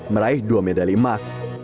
meraih dua medali emas